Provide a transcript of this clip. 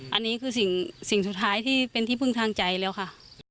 อันนี้คือสิ่งสุดท้ายที่เป็นที่พึ่งทางใจแล้วค่ะ